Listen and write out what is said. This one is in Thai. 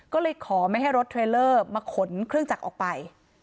ก็เลยขอไม่ให้รถเทรลเลอร์มาขนเครื่องจักรออกไป